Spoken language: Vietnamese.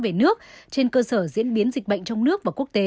về nước trên cơ sở diễn biến dịch bệnh trong nước và quốc tế